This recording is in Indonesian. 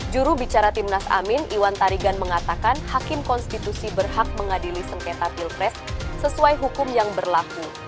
jurubicara timnas amin iwan tarigan mengatakan hakim konstitusi berhak mengadili sengketa pilpres sesuai hukum yang berlaku